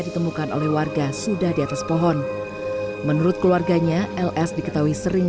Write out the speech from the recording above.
ditemukan oleh warga sudah di atas pohon menurut keluarganya ls diketahui sering